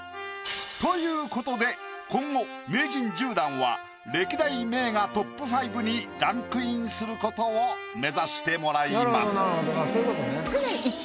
という事で今後名人１０段は歴代名画ＴＯＰ５にランクインする事を目指してもらいます。